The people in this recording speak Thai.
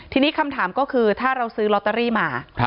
ทีนี้คำถามก็คือถ้าเราซื้อลอตเตอรี่มา